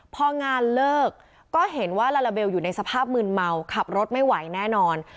พองานเลิกก็เห็นว่าลาลาเบลอยู่ในสภาพมืนเมาขับรถไม่ไหวแน่นอน